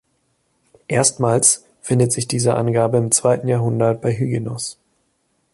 Erstmals findet sich diese Angabe im zweiten Jahrhundert bei Hyginus.